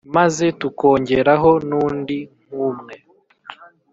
maze tukongeraho n’undi nk’umwe